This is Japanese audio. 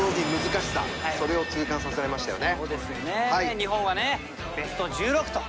日本はねベスト１６と。